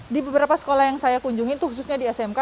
di beberapa sekolah yang saya kunjungi itu khususnya di smk